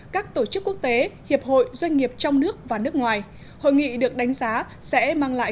các tổ chức quốc tế hiệp hội doanh nghiệp trong nước và nước ngoài hội nghị được đánh giá sẽ mang lại